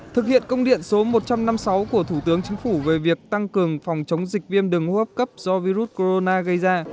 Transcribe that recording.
thực hiện công điện số một trăm năm mươi sáu của thủ tướng chính phủ về việc tăng cường phòng chống dịch viêm đường hô hấp cấp do virus corona gây ra